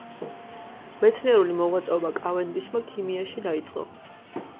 მეცნიერული მოღვაწეობა კავენდიშმა ქიმიაში დაიწყო.